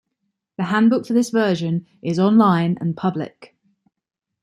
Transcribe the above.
The handbook for this version is online and public.